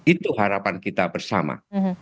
itu harapan kita bersama